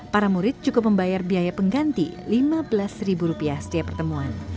para murid cukup membayar biaya pengganti lima belas setiap pertemuan